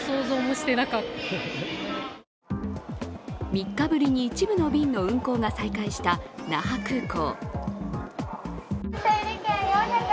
３日ぶりに一部の便の運航が再開した那覇空港。